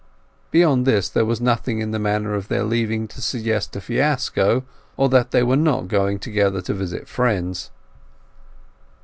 Beyond this there was nothing in the manner of their leaving to suggest a fiasco, or that they were not going together to visit friends.